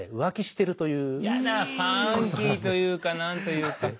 ファンキーというか何というか。